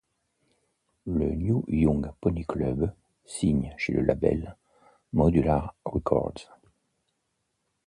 Le New Young Pony Club signe chez le label Modular Records.